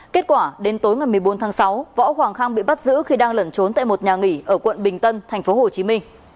kết quả đến tối ngày một mươi bốn tháng sáu võ hoàng khang bị bắt giữ khi đang lẩn trốn tại một nhà nghỉ ở quận bình tân tp hcm